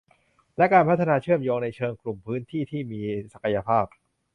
และการพัฒนาเชื่อมโยงในเชิงกลุ่มพื้นที่ที่มีศักยภาพ